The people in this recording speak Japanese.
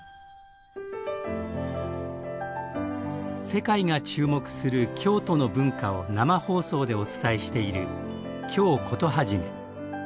世界が注目する京都の文化を生放送でお伝えしている「京コトはじめ」。